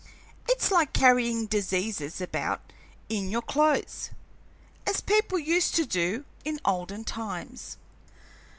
It's like carrying diseases about in your clothes, as people used to do in olden times."